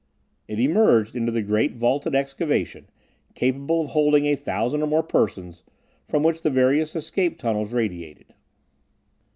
It emerged into the great vaulted excavation, capable of holding a thousand or more persons, from which the various escape tunnels radiated.